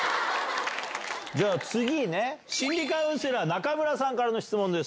じゃあ、次ね、心理カウンセラー、中村さんからの質問です。